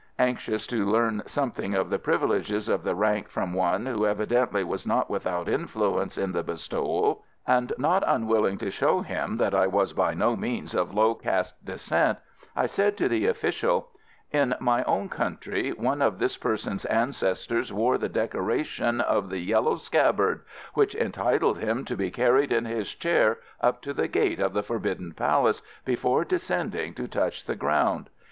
Anxious to learn something of the privileges of the rank from one who evidently was not without influence in the bestowal, and not unwilling to show him that I was by no means of low caste descent, I said to the official, "In his own country one of this person's ancestors wore the Decoration of the Yellow Scabbard, which entitled him to be carried in his chair up to the gate of the Forbidden Palace before descending to touch the ground.